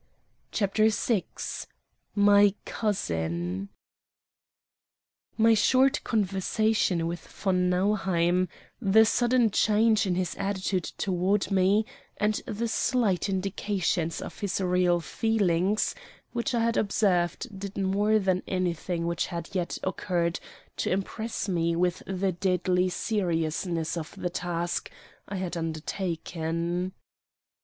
CHAPTER VI MY "COUSIN" My short conversation with von Nauheim, the sudden change in his attitude toward me, and the slight indications of his real feelings which I had observed did more than anything which had yet occurred to impress me with the deadly seriousness of the task I had undertaken.